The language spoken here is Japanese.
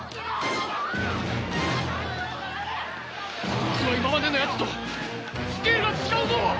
こいつは今までのやつとスケールが違うぞ！